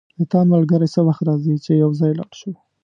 د تا ملګری څه وخت راځي چی یو ځای لاړ شو